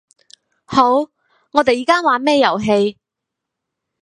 好，我哋而家玩咩遊戲